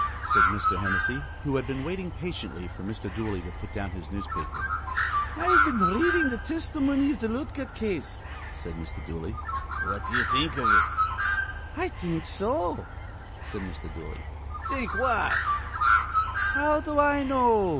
said Mr. Hennessy, who had been waiting patiently for Mr. Dooley to put down his newspaper. "I've been r readin' th' tistimony iv th' Lootgert case," said Mr. Dooley. "What d'ye think iv it?" "I think so," said Mr. Dooley. "Think what?" "How do I know?"